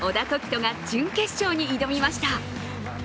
人が準決勝に挑みました。